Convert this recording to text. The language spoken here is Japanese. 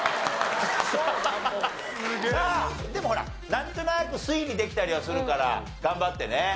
でもほらなんとなく推理できたりはするから頑張ってね。